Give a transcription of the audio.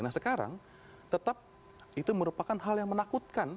nah sekarang tetap itu merupakan hal yang menakutkan